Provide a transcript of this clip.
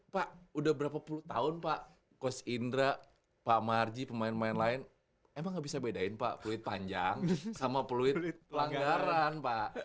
pak udah berapa puluh tahun pak coach indra pak marji pemain pemain lain emang gak bisa bedain pak peluit panjang sama peluit pelanggaran pak